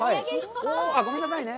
ごめんなさいね。